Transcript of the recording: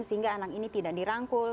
sehingga anak ini tidak dirangkul